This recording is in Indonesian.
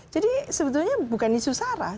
jadi sebetulnya bukan isu sarah